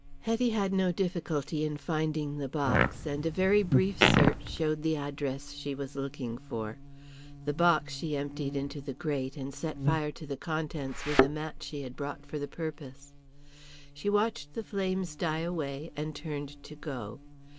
Hetty had no difficulty in finding the box, and a very brief search showed the address she was looking for. The box she emptied in the grate and set fire to the contents with a match she had brought for the purpose. She watched the flames die away, and turned to go.